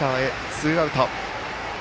ツーアウト。